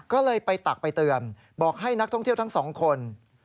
ก็เลยไปตักไปเตือนบอกให้นักท่องเที่ยวทั้งสองคน